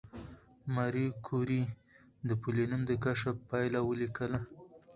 ماري کوري د پولونیم د کشف پایله ولیکله.